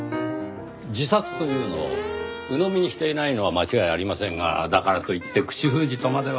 自殺というのをうのみにしていないのは間違いありませんがだからといって口封じとまでは。